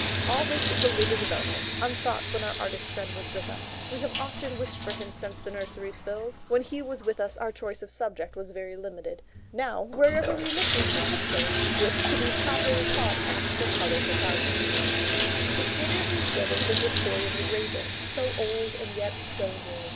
All this is a later development, unthought of when our artist friend was with us. We have often wished for him since the nurseries filled. When he was with us our choice of subject was very limited: now, wherever we look we see pictures, which to be properly caught ask for colour photography. The story of these buildings is the story of the Ravens, so old and yet so new.